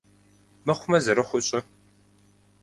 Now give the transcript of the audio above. Мыхъумэ зэрыхъуу щӏы.